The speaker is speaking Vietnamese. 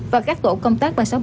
và các tổ công tác ba trăm sáu mươi